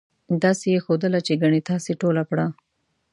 داسې یې ښودله چې ګنې تاسې ټوله پړه.